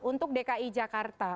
untuk dki jakarta